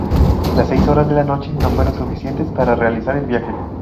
Las seis horas de la noche no fueron suficientes para realizar el viaje.